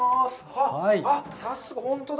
あっ、あっ、早速、本当だ。